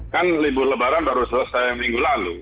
kan libur lebaran baru selesai minggu lalu